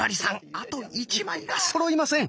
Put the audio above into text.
あと１枚がそろいません。